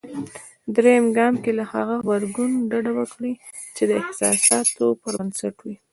درېم ګام کې له هغه غبرګون ډډه وکړئ. چې د احساساتو پر بنسټ وي.